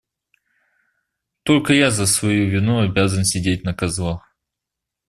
Только я за свою вину обязан сидеть на козлах.